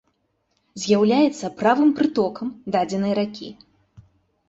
З'яўляецца правым прытокам дадзенай ракі.